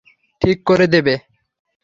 ঠিক করে দেবে?